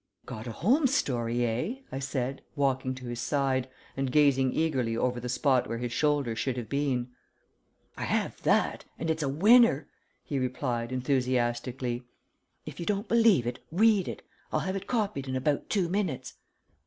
"Got a Holmes story, eh?" I said, walking to his side, and gazing eagerly over the spot where his shoulder should have been. "I have that, and it's a winner," he replied, enthusiastically. "If you don't believe it, read it. I'll have it copied in about two minutes."